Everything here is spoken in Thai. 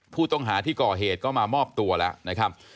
ผู้ต้องหาที่ก่อเหตุก็มามอบตัวแล้วนะครับ